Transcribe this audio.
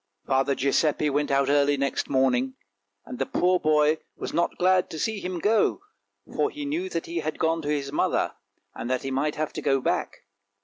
Father Giuseppe went out early next morning, and the poor boy was not glad to see him go, for he knew that he had gone to his mother, and that he might have to go back.